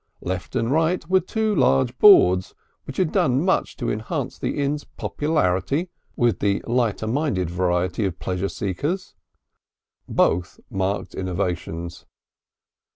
Left and right were two large boards which had done much to enhance the inn's popularity with the lighter minded variety of pleasure seekers. Both marked innovations.